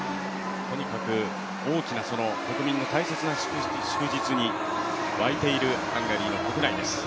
とにかく大きな国民の大切な祝日に沸いているハンガリーの国内です。